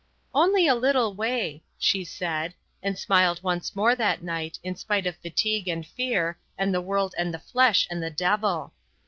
"Only a little way," she said, and smiled once more that night, in spite of fatigue and fear and the world and the flesh and the devil.